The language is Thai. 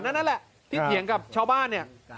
แล้วนั่นแหละที่เหียงกับชาวบ้าน